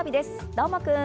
どーもくん！